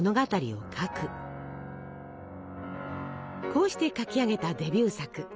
こうして書き上げたデビュー作。